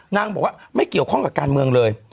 นางบอกว่าไม่เกี่ยวข้องกับการเมืองเลย